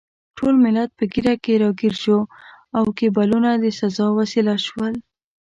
ټول ملت په ږیره کې راګیر شو او کیبلونه د سزا وسیله شول.